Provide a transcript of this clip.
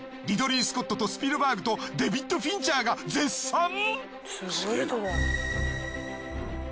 リドリー・スコットとスピルバーグとデヴィッド・フィンチャーが絶賛！？